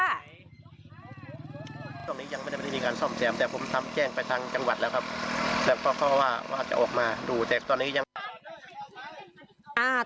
มีการส่อมแซมแล้วผมทำแจ้งไปทางจังหวัดแล้วครับแล้วก็ว่าจะออกมาดูตลอด